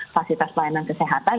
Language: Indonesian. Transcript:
fasilitas pelayanan kesehatan